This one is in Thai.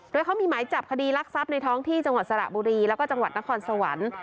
โดยเขามีหมายจับคดีรักทรัพย์ในท้องที่จังหวัดสระบุรีแล้วก็จังหวัดนครสวรรค์